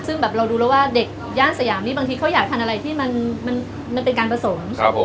ซึ่งแบบเราดูแล้วว่าเด็กย่านสยามนี่บางทีเขาอยากทานอะไรที่มันเป็นการผสม